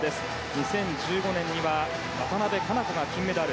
２０１５年には渡部香生子が金メダル。